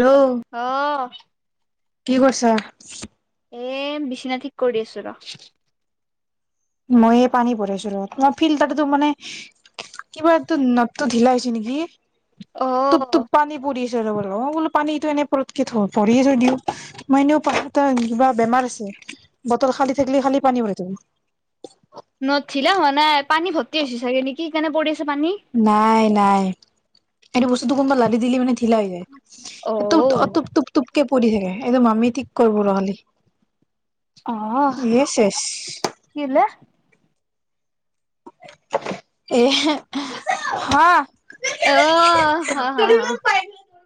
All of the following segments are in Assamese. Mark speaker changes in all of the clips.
Speaker 1: হেল্ল'
Speaker 2: অ
Speaker 1: কি কৰছা।
Speaker 2: এ বিচনা ঠিক কৰি আছো ৰ।
Speaker 1: মই পানী ভৰাইছো ৰ মই ফিল্টাটোৰ মানে কিবাটো নতটো ঢিলা হৈছে নেকি।
Speaker 2: অ
Speaker 1: টোপ টোপ পানী পৰিছে। অ বোলো পানীটো এনে পতকে থ ভৰিয়ে থৈ দিও মই এনেও কিবা বেমাৰ আছে বটল খালি থাকিলে খালি পানী ভৰাই থাকো
Speaker 2: নথঢিলা হোৱা নাই পানী ভৰ্তি হৈ হৈছে চাগে নেকি সেইকাৰণে পৰি আছে পানী
Speaker 1: নাই নাই এইটো বস্তুটো কোনবাত লাৰি দিলে মানে ঢিলা হৈ যায়
Speaker 2: অ
Speaker 1: এটো তটোপ টোপ টোপকে পৰি থাকে এইটো মামি ঠিক কৰিব কালি
Speaker 2: অ কি
Speaker 1: এ হে
Speaker 2: অ হ হ হ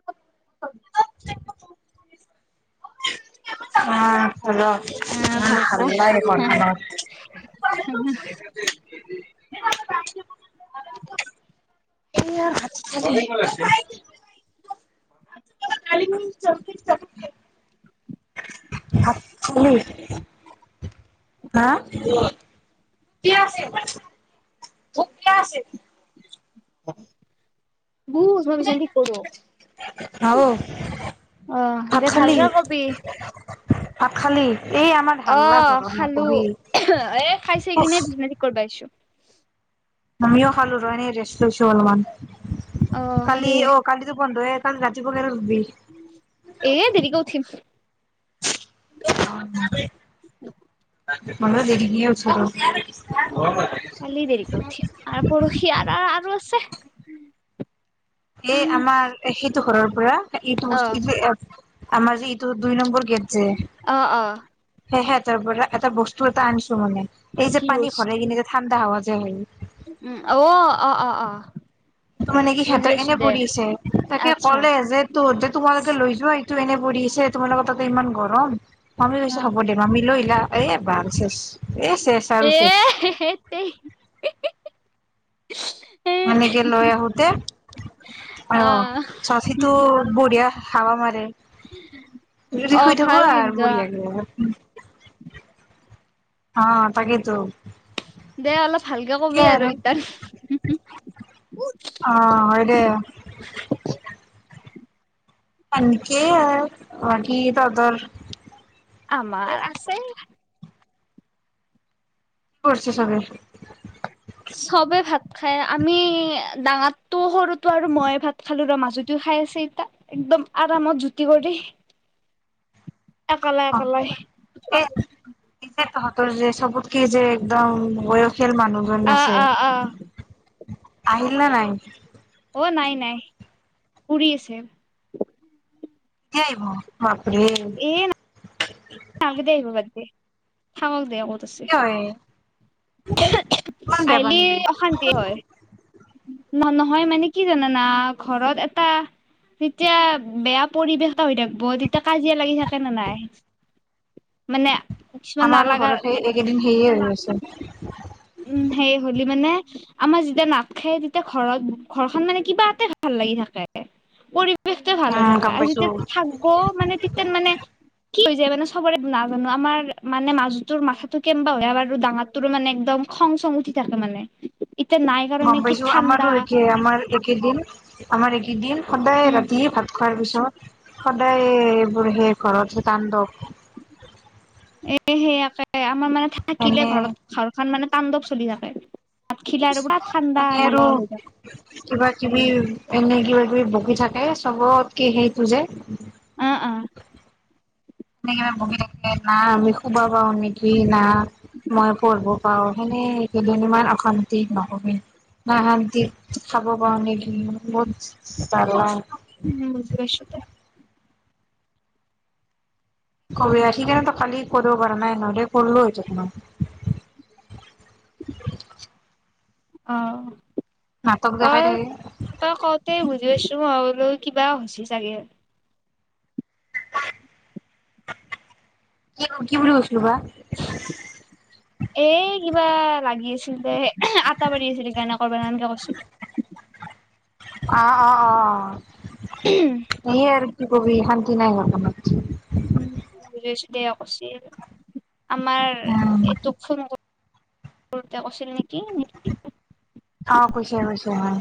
Speaker 1: [unintelligible] অ', ঘৰখনত। [unintelligible] [unintelligible] [unintelligible] [unintelligible] ভাত
Speaker 2: [unintelligible]
Speaker 1: খালি, হাঁ? [unintelligible] [unintelligible]
Speaker 2: [inaudible] গুছ মই বিছনাখান ঠিক কৰোঁ।
Speaker 1: হাও।
Speaker 2: আহ, দে ভালকে কবি।
Speaker 1: ভাত খালি? এই আমাৰ হাল্লা
Speaker 2: অ'
Speaker 1: ঘৰত
Speaker 2: খালো
Speaker 1: নকবি।
Speaker 2: এ খাইছে
Speaker 1: উফ
Speaker 2: কিনে বিছনা থিক কৰিব আহিছোঁ।
Speaker 1: আমিও খালোঁ, [unintelligible] ৰেষ্ট লৈছোঁ অলপমান।
Speaker 2: অ
Speaker 1: কালি অ' কালিটো বন্ধয়ে? [unintelligible]
Speaker 2: এয়া দেৰিকৈ উঠিম।
Speaker 1: মইয়ো দেৰিকেই উঠো ৰহ!
Speaker 2: কালি দেৰিকে উঠিম, আৰু পৰহি আৰু আৰু আছে। [inaudible]
Speaker 1: এ,
Speaker 2: কাম
Speaker 1: আমাৰ সেইটো ঘৰৰ পৰা এইটো
Speaker 2: অ
Speaker 1: বস্তুটো আমাৰ যে তোৰ দুই নম্বৰ গেট যে
Speaker 2: অ অ
Speaker 1: [unintelligible] তাৰ পৰা এটা বস্তু এটা আন মানে এই যে
Speaker 2: কি
Speaker 1: পানী
Speaker 2: বস্তু
Speaker 1: ভৰাই কিনে যে ঠাণ্ডা হাৱা [unintelligible]
Speaker 2: উম আউ অ অ অ অ।
Speaker 1: মানে কি
Speaker 2: বুজি
Speaker 1: সেহঁতৰ
Speaker 2: পাইছো
Speaker 1: এনে
Speaker 2: দে
Speaker 1: পৰি আছে, তাকে
Speaker 2: আচ্ছা
Speaker 1: ক'লে যে তহতে তোমালোকে লৈ যোৱা তো এনে পৰি আছে তোমালোকৰ তাতে ইমান গৰম। মামী
Speaker 2: অ
Speaker 1: কৈছে হব দে মামী লৈ আহিলা। এ বালছেছ।
Speaker 2: [unintelligible]
Speaker 1: এনেকে লৈ আহোতে
Speaker 2: অ
Speaker 1: আহ চাচিটো বঢ়িয়া হাৱা মাৰে।
Speaker 2: অ
Speaker 1: যদি শুই
Speaker 2: ভাল
Speaker 1: থাকো আৰ
Speaker 2: কিন্তু অ
Speaker 1: বঢ়িয়াকে। অ তাকেইতো।
Speaker 2: দে অলপ ভালকে কবি আৰু ইতাত
Speaker 1: অ হয় দে
Speaker 2: [unintelligible]
Speaker 1: এনেকেই বাকী তহঁতৰ।
Speaker 2: আমাৰ আছে।
Speaker 1: কি কৰছে চবে?
Speaker 2: চবে ভাত। খাই আমি ডাঙাৰতো সৰুতো আৰু মইে ভাত খালো ৰ মাজুতেও খাই আছে ইতা একদম আৰামত জুতি কৰি। একালে
Speaker 1: অ
Speaker 2: একালাই।
Speaker 1: তাহতঁৰ যে সবতকে যে একদম বয়সিয়াল মানুহজন
Speaker 2: অ
Speaker 1: আছে।
Speaker 2: অ অ
Speaker 1: আহিল নে নাই?
Speaker 2: অ নাই নাই ফুৰি আছে।
Speaker 1: কেতিয়া আহিব
Speaker 2: এ
Speaker 1: ঘৰ? [unintelligible]
Speaker 2: নালগে দে আহিব বাদ দে। থাকক দে কত।
Speaker 1: কিয় হে
Speaker 2: [unintelligible]
Speaker 1: ইমান বেয়া পাৱ
Speaker 2: আইলি
Speaker 1: নেকি?
Speaker 2: অশান্তি হয়। ন নহয় মানে কি জানানা, ঘৰত এটা যেতিয়া বেয়া পৰিৱেশ। হৈ থাকিব তেতিয়া কাজিয়া লাগি থাকে নে নাই? মানে কিছুমান
Speaker 1: আমাৰো
Speaker 2: নালাগা
Speaker 1: ঘৰত সেই এইকেইদিন সেইয়ে হৈ আছে।
Speaker 2: উম সেই হলি মানে, আমাৰ যেতিয়া নাখে তেতিয়া ঘৰত ঘৰখন মানে কিবা এতে ভাল লাগি থাকে। [unintelligible] ভাল হৈ
Speaker 1: উম
Speaker 2: থাকে।
Speaker 1: গম
Speaker 2: আৰু
Speaker 1: পাইছো
Speaker 2: যেতিয়া থাকিব মানে তেতিয়া মানে কি হৈ যায় মানে চবৰে নাজানো আমাৰ মানে মাজুটোৰ মাথাটো কেনুৱা হয় আৰু ডাঙৰটোৰো মানে একদম খং চং উঠি থাকে মানে। এতিয়া নাই কাৰণে
Speaker 1: গম
Speaker 2: কি
Speaker 1: পাইছো
Speaker 2: ঠাণ্ডা
Speaker 1: আমাৰো একে আমাৰ একেদিন। আমাৰ একেই দিন। সদায়
Speaker 2: উম
Speaker 1: ৰাতি ভাত খোৱাৰ পিছত সদায় এইবোৰ সেই ঘৰত যি তাণ্ডৱ
Speaker 2: এ সে আকে এ আমাৰ মানে থাকিলে
Speaker 1: এনে
Speaker 2: ঘৰত ঘৰখন মানে তাণ্ডৱ চলি থাকে। ভাত খিলা আৰু পুৰা
Speaker 1: [unintelligible]
Speaker 2: ঠাণ্ডা
Speaker 1: এনে আৰু
Speaker 2: নিৰল হৈ থাকে
Speaker 1: কিবা কিবি। এনে কিবা কিবি বকি থাকে চবতকে সেইটো যে।
Speaker 2: উম উম।
Speaker 1: এনে কিবা বকি থাকে এ না আমি শুবা পাওঁ নেকি না মই পঢ়বো পা সেনেদ ইমান অশান্তি নহয়েই নাই শান্তি খাব পাৰো নেকি বহুত চালা
Speaker 2: উম বুজি পাইছো।
Speaker 1: [unintelligible] ত কালি পদ কৰা নাই নহলে কৰ্লু হয় তেখন
Speaker 2: অহ।
Speaker 1: দেখাই
Speaker 2: অহ
Speaker 1: থাকে
Speaker 2: তই কওঁতেই বুজি পাইছো মই বোলো কিবা হৈছে চাগে।
Speaker 1: কি কিবুলি বুজ [unintelligible]
Speaker 2: এই কিবা লাগি আছিল দে আটা মাৰি আছিল কাৰণে কৰবাৰ এনকে কৈছিলে।
Speaker 1: অহ অহ অহ অহ। ই আৰ কি কবি শান্তি নাই ঘৰ খনত
Speaker 2: উম [unintelligible] দে কৈছিল আমাৰ
Speaker 1: উম
Speaker 2: এইটোক ফোন কৰোতে কৈছিল নি
Speaker 1: অ কৈছে কৈছে হয়।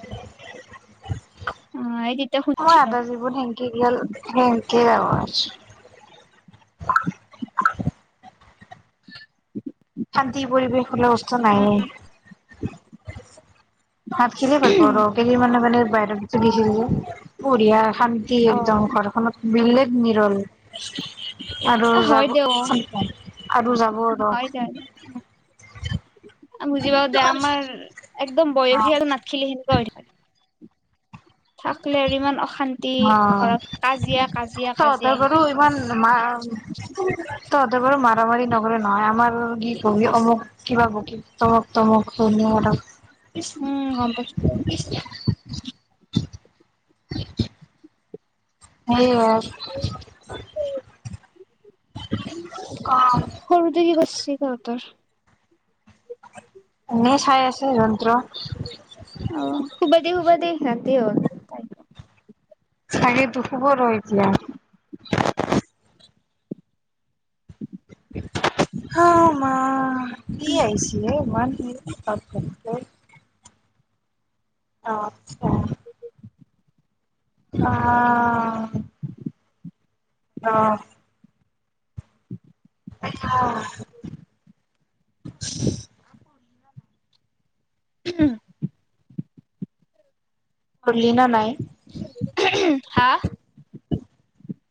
Speaker 2: অ এই তেতিয়া
Speaker 1: [inaudible] আমাৰ
Speaker 2: সুধিছিলো
Speaker 1: আদা জীৱন সেনকে গেল সেনকে যাব আৰু। শান্তি পৰিৱেশ। [unintelligible] বস্তু
Speaker 2: উম
Speaker 1: নাইয়ে। [unintelligible] চুলিখিনি বঢ়িয়া। শান্তি একদম, ঘৰখনত বিলেগ নিৰল। আৰু
Speaker 2: অ হয়
Speaker 1: যাব
Speaker 2: দে অ
Speaker 1: আৰু যাব ৰ।
Speaker 2: [unintelligible] বুজিপাব দে আমাৰ একদম বয়সীয়াল নাথখিলি সেনেকুৱা হৈ থাকিলে আৰু ইমান অশান্তি
Speaker 1: অ
Speaker 2: ঘৰত কাজিয়া কাজিয়া
Speaker 1: তহঁতৰ
Speaker 2: কাজিয়া
Speaker 1: বাৰু
Speaker 2: আ
Speaker 1: তহঁতে বাৰু মাৰামাৰি নকৰে নহয় আমাৰ কি কবি অমুক কিবা বকি তমু টমুকটো মো
Speaker 2: উম গম পাইছো
Speaker 1: হয় সেইয়াই
Speaker 2: সৰুতে কি কৰিছে ঠিকত
Speaker 1: কোনে চাই আছে যন্ত্ৰ
Speaker 2: অ হুব দে হুব দে ৰাতি হ'ল
Speaker 1: চাৰী খুব ৰ এতিয়া দে হ মা কি আহিছিলে ইমান তাৰ পৰা আচ্ছা অ অ
Speaker 2: ই
Speaker 1: অ
Speaker 2: হম
Speaker 1: নাই
Speaker 2: হা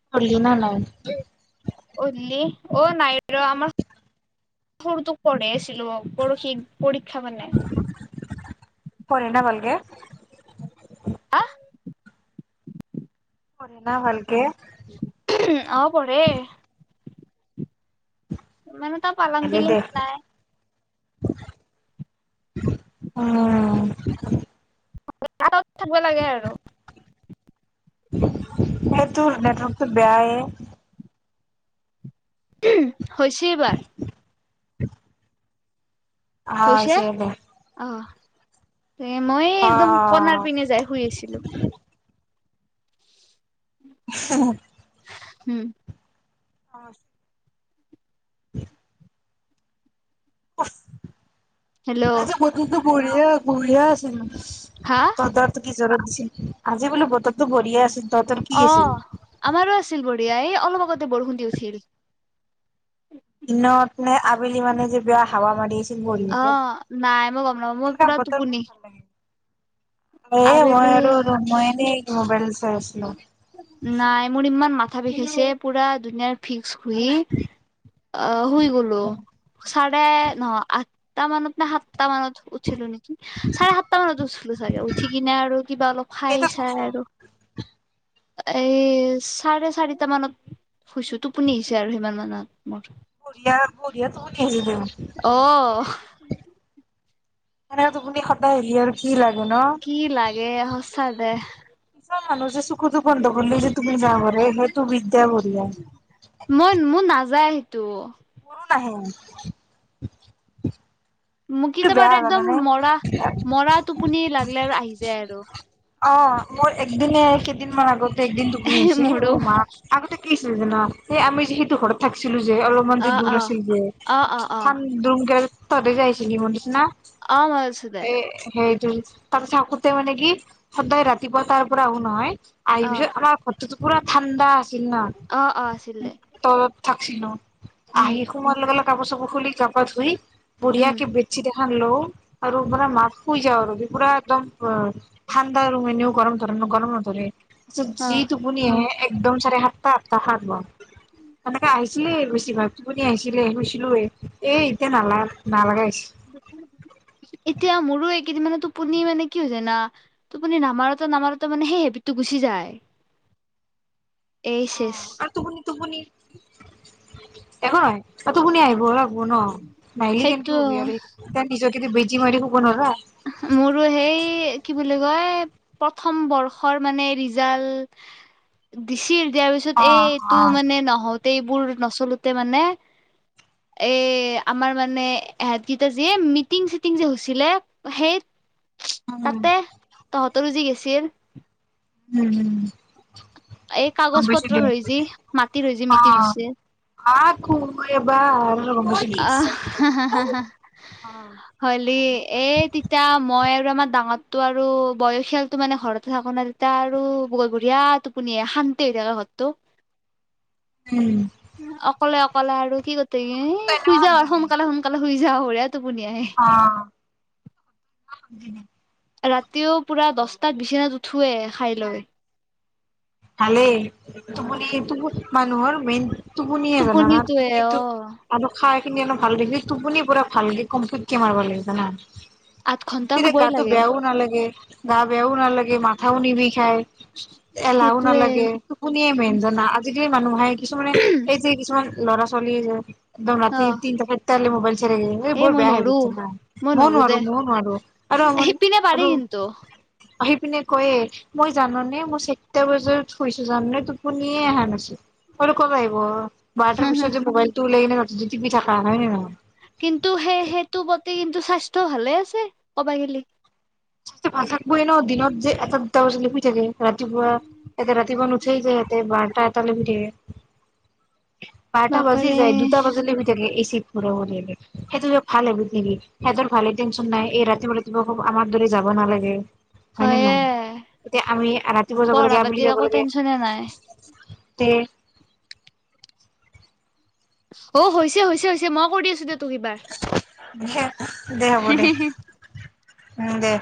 Speaker 1: খুলি নে নাই
Speaker 2: অধলি অ নাই ৰ আমাৰ ফুৰটো পঢ়েছ পৰশি পৰীক্ষা মানে
Speaker 1: পঢ়ে না ভাল কে
Speaker 2: আহ
Speaker 1: পঢ়ে না ভালকে
Speaker 2: আহ পঢ়ে মানে তাৰ পালং বিলিং নাই
Speaker 1: বুজি পোৱা নাই ভইচতো অ বুজি পোৱা নাই ভইচতো
Speaker 2: বুজি পোৱা নাই ভইচতো থাকিব লাগে আৰু
Speaker 1: সেইটোৰ নেটৱৰ্কটো বেয়াই
Speaker 2: উম হৈছে এইবাৰ
Speaker 1: [inaudible] অ চ
Speaker 2: হৈছে
Speaker 1: দে [unintelligible]
Speaker 2: এ মই
Speaker 1: অ
Speaker 2: একদম কণাৰ পিনে যাই শুই আছিলো
Speaker 1: [unintelligible] হ হ
Speaker 2: উম
Speaker 1: অ উম
Speaker 2: হেল্ল'
Speaker 1: আজি বতৰটো বুঢ়িয়া বুঢ়িয়া আছিল
Speaker 2: হা
Speaker 1: ত দৰ্থ কি [unintelligible] দি আজি বোলো বতৰতো ভৰিয়া আছে
Speaker 2: অ আমাৰো আছিল বঢ়িয়া এই লগত [unintelligible] বহুত দিছিল
Speaker 1: দিনত নে আবেলি মানে যে বেয়া হাৱা মাৰি আছে
Speaker 2: অ নাই মই গম নাপওঁ মই
Speaker 1: সেনেকা
Speaker 2: পুৰা
Speaker 1: বতৰ বহুত
Speaker 2: টোপনি
Speaker 1: ভাল লাগে এ মই
Speaker 2: আবেলি
Speaker 1: আৰু মই এনে মোবাইল চাই আছিলো
Speaker 2: নাই মোৰ ইমান মাচ তথাপি হৈছে পূৰা ধুনীয়াৰ ফিক্স [unintelligible] শুই আহ শুই গলো চাৰে নহ আঠ ত মানে ত সাত [unintelligible] সাতটা মানত উঠিলো নেকি চাৰে সাতটা মানত উঠিলো চাগে উঠি কিনে আৰু কিবা অলপ খাই
Speaker 1: সেইটো
Speaker 2: চাই
Speaker 1: কৈছো
Speaker 2: আৰু [unintelligible] এই চাৰে চাৰিটা মানত শুইছো টোপনি আহিছে আৰু সিমান মানত মোৰ
Speaker 1: বঢ়িয়া বঢ়িয়া তহঁত [unintelligible] অ'
Speaker 2: অ
Speaker 1: মানে টোপুনি সদায় ৰিয়েলিটি লাগে। ন
Speaker 2: কি লাগে সচা দে।
Speaker 1: কিছুমান মানুহ যে চকু তকু বন্ধ কৰিলে যে তুপুনি যাব পাৰে সেই তো বিদ্যা ভৰি আহ।
Speaker 2: তো
Speaker 1: মোৰো নাহে।
Speaker 2: মোৰ
Speaker 1: এইটো
Speaker 2: কেতিয়াবা
Speaker 1: বেয়া
Speaker 2: একদম
Speaker 1: জানানে
Speaker 2: মৰা মৰা টোপনি লাগিলে আৰু আহি যায় আৰু।
Speaker 1: অ' মোৰ একদিনে কেইদিনমান আগত। একদিন তোপনি আইছে
Speaker 2: মোৰো
Speaker 1: অ' মা আগতে। কি হৈছে জান সেই আমি যিহেতু ঘৰত থাকিছিলো। অলপমান যে
Speaker 2: অ অ
Speaker 1: দূৰ আছিল যে
Speaker 2: অ অ অ
Speaker 1: থান দুন গেল তহঁতে আইচিলি যে মোৰ নিচিনা।
Speaker 2: অ' মনত আছে দে।
Speaker 1: তাৰপিছত আাক তে মানে কি? সদদায় ৰাতিপুৱা তাৰ পৰা আহো নহয়? আহি
Speaker 2: অ
Speaker 1: [unintelligible] আমাৰ তোটো পুৰা ঠাণ্ডা।
Speaker 2: অ অ আছিল দে
Speaker 1: [unintelligible] থাকছিলো।
Speaker 2: উম
Speaker 1: আহি সোমোৱাৰ লগে লগ কাপোৰ চাপোৰ খুলি গা-পা ধুই
Speaker 2: উম
Speaker 1: বঢ়িয়াকে বেটচিত এখ হেল্ল' আৰু [unintelligible] শুই যাওঁ, আৰু পুৰা একদম ঠাণ্ডা ৰুম, এনেও গৰম ধ গৰম নধৰে। তাৰ পিছত
Speaker 2: অ
Speaker 1: যি তুপনি আহে এ একদম চাৰে সাতটা, আঠটা সাত বাৰ, সেনেকে আহিছিলে বেছিভাগ টোপনি আহিছিলে শুইছিলো এ এতিয়া নালা-নালাগা হৈছিল।
Speaker 2: এতিয়া মোৰো এইকেইদিন মানে টোপনি মানে কি হৈ হৈ যায় না, টোপনি নামাৰোতে নামাৰোতে মানে সেই হেবিতটো গুচি যায়। এই চেচ
Speaker 1: অ', আৰু তুপনি তুপুনি একো নহয়, তুপুনি আহিব হব নহ, নাহিলি কেনকে
Speaker 2: সেইটো
Speaker 1: হবি আৰু তা নিজকে যিমাৰ ক নব [unintelligible]
Speaker 2: মোৰো সেই কি বুলি কয়, প্ৰথম বৰ্ষৰ মানে ৰিজাল্ট দিছিল। দিয়াৰ পিছত
Speaker 1: অ
Speaker 2: এই এইটো
Speaker 1: অ
Speaker 2: মানে নহত সেইবোৰ নচলোতে মানে এ, আমাৰ মানে এহাত কেইটা যে মিটিং চিটিং যে হৈছিলে। সেই [unintelligible]
Speaker 1: উম
Speaker 2: তাতে, তহঁতৰ জি [unintelligible] ছিল।
Speaker 1: উম, হম।
Speaker 2: এই কাগজ পত্ৰৰ যি মাটিৰ হৈ, যি মিটিং হৈছে। আহ, হ-হ-হলে এই তেতয়া মই আৰু [unintelligible] আৰু আমাৰ ডাঙৰটো আৰু বয়সিয়ালটো মানে ঘৰতে থাকো ন, তেতিয়া আৰু বঢ়িয়া টোপনি শান্তি হৈ থাকে ঘৰটো। অকলে, অকলে আৰু কি কটে খুই যা আৰু সোনকালে, সোনকালে। শুই যাওঁ টোপনি আহে।
Speaker 1: অনে [inaudible]
Speaker 2: ৰাতিও পুৰা দছটাত বিচনাত উঠোৱে খাইলৈ।
Speaker 1: ভালে টোপনি, টোপ মানুহৰ মেইন। টোপনিয়ে জানা না
Speaker 2: টোপনিটোৱে
Speaker 1: টোপনিটো
Speaker 2: অ
Speaker 1: আৰু খাই টোপনি অলপ ভাল লাগিলে টোপনি পুৰা ভালকে কম্পীটকৈ মাৰিব লাগে জানা।
Speaker 2: আঠ ঘন্টা
Speaker 1: তেতিয়া
Speaker 2: শুবই
Speaker 1: গাটো
Speaker 2: লাগে
Speaker 1: বেয়াও নালাগে। গা বেয়াও নালাগে, মাথাও নিবিখায়। এলাহ
Speaker 2: সেইটোয়ে
Speaker 1: নালাগে টোপনিয়ে মেন জানা আ। য-মানুহ [unintelligible] আহে। কিছুমানে এই যে কিছুমান লৰা চলি যায়। দিন ৰাতি
Speaker 2: অ
Speaker 1: তিনটাহে কালি মোবাইল। চে
Speaker 2: এ
Speaker 1: বৰ
Speaker 2: মই
Speaker 1: বেয়া হেবিত
Speaker 2: নৰো
Speaker 1: জানা
Speaker 2: মই
Speaker 1: মইও
Speaker 2: নৰো দে
Speaker 1: নোৱাৰোঁ, মইও নোৱাৰো আৰু, ম
Speaker 2: সিপিনে পাৰি
Speaker 1: আৰু
Speaker 2: কিন্তু
Speaker 1: আহি, পিনে কয়ে, মই জাননে মোৰ চৰিত্ৰ যে থুইছো জান নে টোপনিয়ে অহা নাছিল মই বোলো ক'লে আহিব।
Speaker 2: হা
Speaker 1: বাৰটাৰ
Speaker 2: হা
Speaker 1: পিছত যে মবাইলটো ওলাই কিনি ৰাতি। যি টিপি থাকা হয় নে নহয়।
Speaker 2: কিন্তু সেই-সেইটো প্ৰতি কিন্তু স্বাস্থ্য তো ভালে আছে, ক'বা গেলে।
Speaker 1: হে ভাল থাকবই ন দিনত যে এটা দুটা বজালে শুই থাকে ৰাতিপুৱা, একে ৰাতিপুৱা নুঠেই যে ইয়াতে বাৰটা এটা লৈ শুই থাকে। বাৰটা বাজি
Speaker 2: বাপাৰে
Speaker 1: যায়, দুটা বজালে শুই থাকে এচিত। [unintelligible] সিহঁতৰ ভালে টেনচন নাই এই ৰাতিপুৱা-ৰাতিপুৱা খব আমাৰ দৰে যাব নালাগে। হয় নে
Speaker 2: হয়ে
Speaker 1: নহয়। এতিয়া আমি ৰাতিপুৱা যাব লাগে,
Speaker 2: পঢ়া
Speaker 1: আবেলি
Speaker 2: পাতিৰ
Speaker 1: যাব
Speaker 2: একো
Speaker 1: লাগে।
Speaker 2: টেনচনে নাই
Speaker 1: তে।
Speaker 2: অ', হৈছে-হৈছে-হৈছে মই কৰি দি আছো দে তোক এইবাৰ
Speaker 1: দে-দে হ'ব দে। উম, দে।